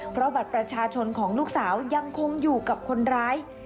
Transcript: เพราะบัตรประชาชนของลูกสาวยังคงอยู่กับคนร้าย